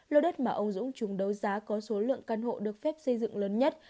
lâu đất mà ông dũng chúng đấu giá có số lượng căn hộ được phép xây dựng lớn nhất